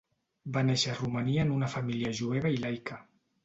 Va néixer a Romania en una família jueva i laica.